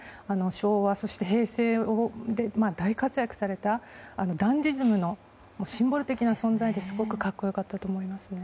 昭和、そして平成で大活躍されたダンディズムのシンボル的な存在で、すごく格好良かったと思いますね。